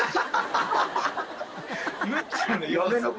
むっちゃんの要素